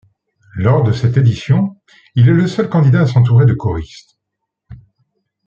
Lors de cette édition, il est le seul candidat à s'entourer de choristes.